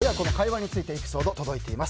親子の会話についてエピソード届いています。